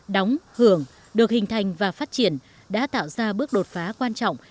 đóng hưởng được hình thành và phát triển đã tạo ra bước đột phá quan trọng